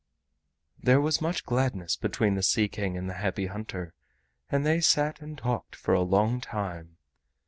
There was much gladness between the Sea King and the Happy Hunter, and they sat and talked for a long time.